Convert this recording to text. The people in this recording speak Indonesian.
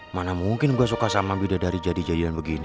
mana mungkin gue suka sama beda dari jadi jadian begini